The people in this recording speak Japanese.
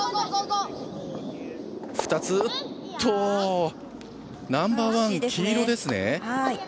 ２つ、おっとナンバーワン、黄色ですね。